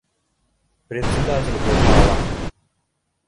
Председатель булһа ла